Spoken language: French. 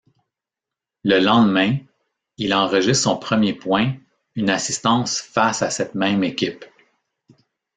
Le lendemain, il enregistre son premier point, une assistance face à cette même équipe.